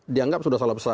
dianggap sudah salah besar